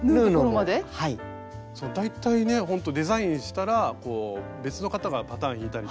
そう大体ねほんとデザインしたら別の方がパターン引いたりとかして。